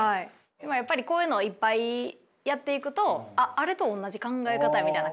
でもやっぱりこういうのをいっぱいやっていくとあっあれと同じ考え方やみたいな感じで。